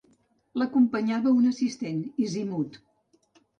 L'acompanyava un assistent, Isimud.